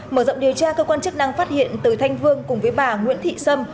mở rộng điều tra cơ quan chức năng phát hiện từ thanh vương cùng với bà nguyễn thị sâm